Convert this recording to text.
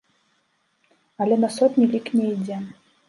Але на сотні лік не ідзе.